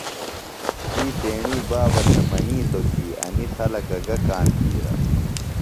تی تیݨی بابہ تھےۡ منِیتوۡ کی انیۡ خلکہ گہ کانتِیرہ۔